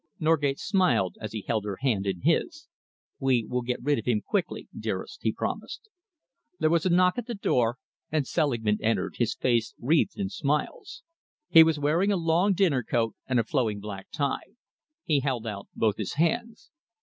Norgate smiled as he held her hand in his. "We will get rid of him quickly, dearest," he promised. There was a knock at the door, and Selingman entered, his face wreathed in smiles. He was wearing a long dinner coat and a flowing black tie. He held out both his hands.